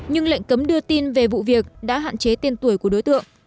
nhưng lệnh cấm đưa tin về vụ việc đã hạn chế tiên tuổi của đối tượng